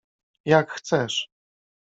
— Jak chcesz.